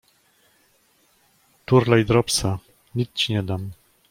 Turlaj dropsa, nic ci nie dam.